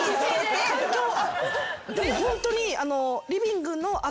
でもホントに。